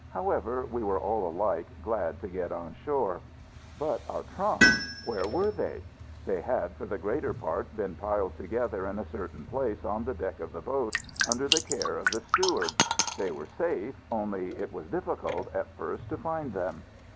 However, we were all alike glad to get on shore. But our trunks where were they? They had, for the greater part, been piled together in a certain place on the deck of the boat, under the care of the steward: they were safe, only it was difficult, at first, to find them.